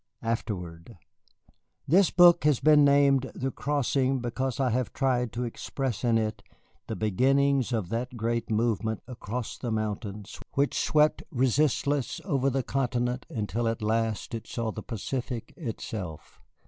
AFTERWORD This book has been named "The Crossing" because I have tried to express in it the beginnings of that great movement across the mountains which swept resistless over the Continent until at last it saw the Pacific itself.